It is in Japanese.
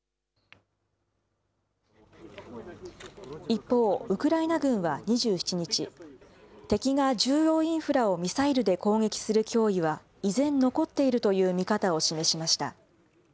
一方、ウクライナ軍は２７日、敵が重要インフラをミサイルで攻撃する脅威は依然残っているという見方を示しました。